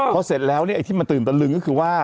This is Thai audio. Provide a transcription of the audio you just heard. พอเสร็จแล้วไอ้ที่มาตื่นปะลึงก็คือว่า